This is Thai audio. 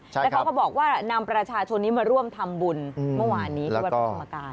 แล้วเขาก็บอกว่านำประชาชนนี้มาร่วมทำบุญเมื่อวานนี้ที่วัดพระธรรมกาย